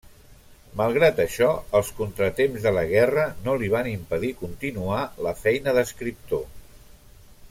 Malgrat això, els contratemps de la guerra no li van impedir continuar la feina d'escriptor.